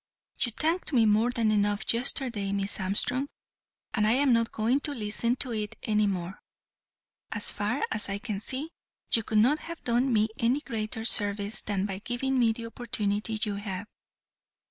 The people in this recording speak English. "You thanked me more than enough yesterday, Miss Armstrong, and I am not going to listen to any more of it. As far as I can see, you could not have done me any greater service than by giving me the opportunity you have.